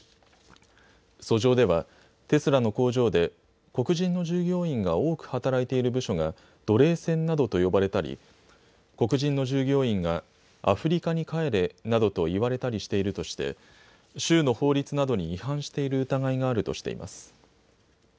訴状では、テスラの工場で黒人の従業員が多く働いている部署が奴隷船などと呼ばれたり黒人の従業員がアフリカに帰れなどと言われたりしているとして州の法律などに違反している疑いがあるとしています。